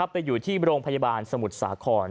ไปอยู่ที่โรงพยาบาลสมุทรสาคร